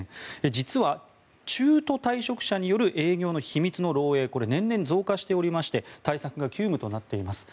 実は中途退職者による営業の秘密の漏えいこれ、年々増加しておりまして対策が急務となっております。